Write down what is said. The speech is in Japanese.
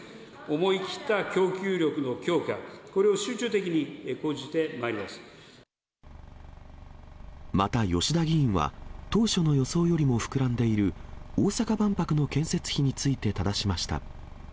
思い切った供給力の強化、これをまた、吉田議員は、当初の予想よりも膨らんでいる、大阪万博の建設費についてただしました。